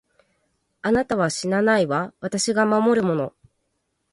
あなたは死なないわ、私が守るもの。